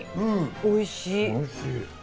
おいしい。